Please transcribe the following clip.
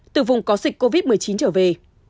từ vùng có dịch covid một mươi chín trở về